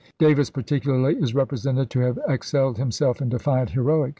Davis, particularly, is represented to have excelled himself in defiant heroics.